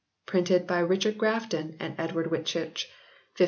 Prynted by Eychard Grafton and Edward Whitchurch.